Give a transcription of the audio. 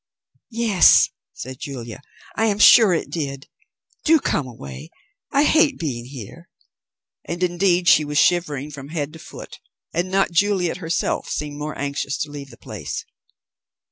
"Yes," said Julia, "I am sure it did. Do come away. I hate being here." And indeed she was shivering from head to foot, and not Juliet herself seemed more anxious to leave the place.